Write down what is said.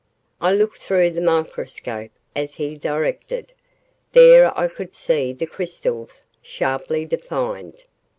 I looked through the microscope as he directed. There I could see the crystals sharply defined.